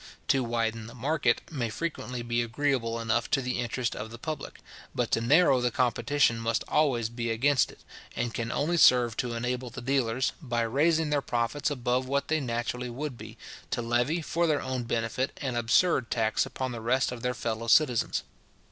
To widen the market may frequently be agreeable enough to the interest of the public; but to narrow the competition must always be against it, and can only serve to enable the dealers, by raising their profits above what they naturally would be, to levy, for their own benefit, an absurd tax upon the rest of their fellow citizens.